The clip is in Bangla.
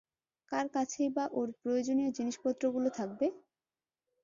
কার কাছেই বা ওর প্রয়োজনীয় জিনিসপত্রগুলো থাকবে?